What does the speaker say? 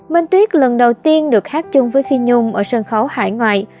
minh tuyết lần đầu tiên được hát chung với phi nhung ở sân khấu hải ngoại